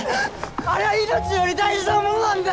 あれは命より大事なものなんだ！